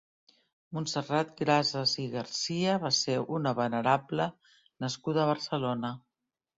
Montserrat Grases i García va ser una venerable nascuda a Barcelona.